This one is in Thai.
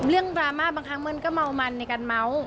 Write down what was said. เรื่องดราม่าบางครั้งเหมือนก็เมามันในการม้าว